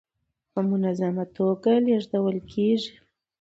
په منظمه ټوګه لېږدول کيږي.